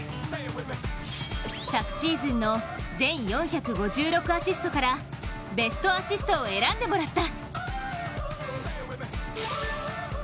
昨シーズンの全４５６アシストからベストアシストを選んでもらった。